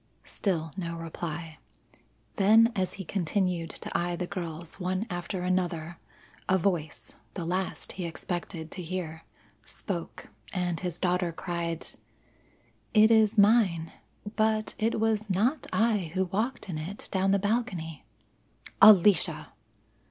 Still no reply, then as he continued to eye the girls one after another a voice the last he expected to hear spoke and his daughter cried: "It is mine. But it was not I who walked in it down the balcony." "Alicia!"